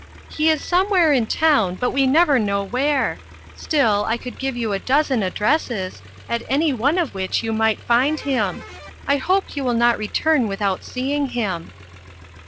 " He is somewhere in town, but we never know where. Still, I could give you a dozen addresses, at any one of which you might find him. I hope you will not return without seeing him."